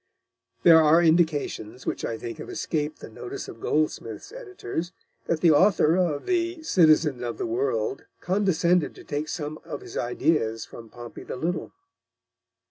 '" There are indications, which I think have escaped the notice of Goldsmith's editors, that the author of the Citizen of the World condescended to take some of his ideas from Pompey the Little.